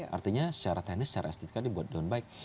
artinya secara teknis secara estetika dibuat dengan baik